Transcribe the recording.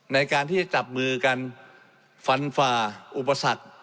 ในการที่จะจับมือกันฟันฝ่าอุปสรรค